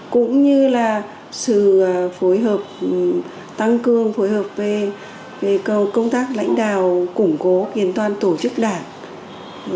cũng như là sự phối hợp tăng cường phối hợp về công tác lãnh đạo củng cố kiện toàn tổ chức đảng